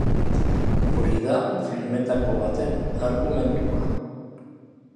Hori da filmetako baten argumentua.